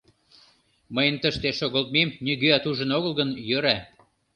Мыйын тыште шогылтмем нигӧат ужын огыл гын, йӧра.